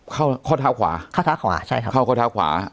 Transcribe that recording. ข้อเท้าขวาข้อเท้าขวาใช่ครับเข้าข้อเท้าขวา